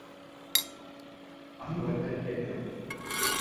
আমি website check করেছি।